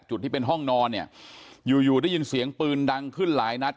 จุดที่เป็นห้องนอนเนี่ยอยู่อยู่ได้ยินเสียงปืนดังขึ้นหลายนัด